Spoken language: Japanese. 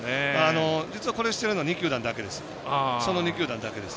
実は、これをしているのはその２球団だけです。